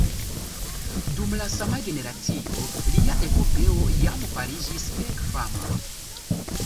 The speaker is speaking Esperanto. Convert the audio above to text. Dum la sama generacio lia epopeo jam fariĝis ege fama.